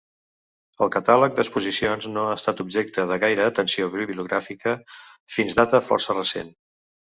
El catàleg d'exposicions no ha estat objecte de gaire atenció bibliogràfica fins data força recent.